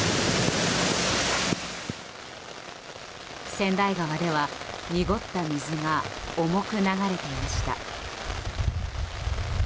川内川では濁った水が重く流れていました。